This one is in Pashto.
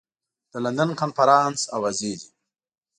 د لندن کنفرانس اوازې دي.